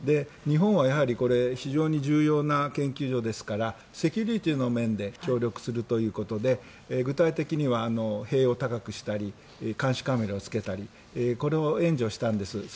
日本は、やはり非常に重要な研究所ですからセキュリティーの面で協力するということで具体的には塀を高くしたり監視カメラをつけたりこれを援助したんです。